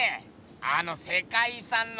あの世界遺産の。